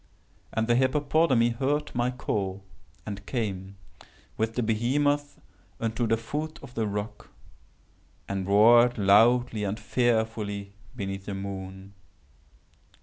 And the hippopotami heard my call, and came, with the behemoth, unto the foot of the rock, and roared loudly and fearfully beneath the moon.